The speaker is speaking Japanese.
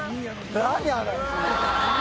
何あれ。